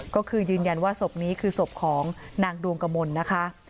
ก็คือยืนยันว่าศพนี้คือศพของนางดวงกมลนะคะ